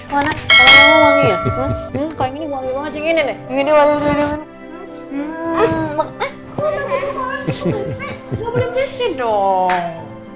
gak boleh berhenti dong